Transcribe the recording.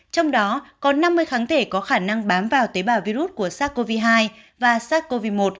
trong đó có năm mươi kháng thể có khả năng bám vào tế bào virus của sars cov hai và sars cov hai